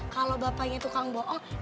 kalau bapaknya tukang bohong